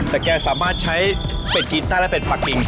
แต่แกสามารถใช้เป็ดกีต้าและเป็ดปากกิ่ง